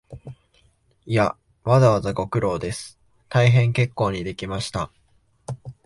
いや、わざわざご苦労です、大変結構にできました